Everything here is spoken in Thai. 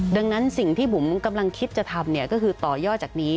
ดังนั้นสิ่งที่บุ๋มกำลังคิดจะทำเนี่ยก็คือต่อยอดจากนี้